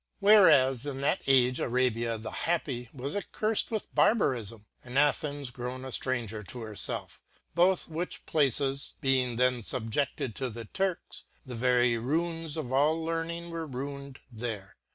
Whereas in that age Arabia the Happy was accurled with Barbarifme, and Athens grown a ftranger to her felf • both which places being then fubjected to the Turks, the very mines of all learning were ruin'd there.